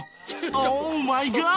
オーマイガー！